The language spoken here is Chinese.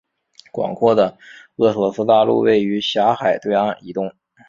广阔的厄索斯大陆位于狭海对岸以东。